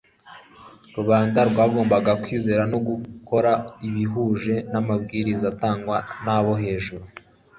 Rubanda rwagombaga kwizera no gukora ibihuje n'amabwiriza atangwa n'abo hejuru.